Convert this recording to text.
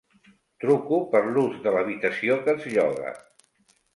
Truco per l'ús de l'habitació que es lloga.